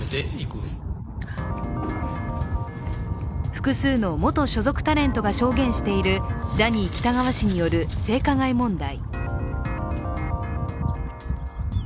複数の元所属タレントが証言しているジャニー喜多川氏による性加害問題。